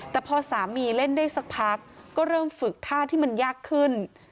แต่พอสามีเล่นได้สักพักก็เริ่มฝึกท่าที่มันยากขึ้น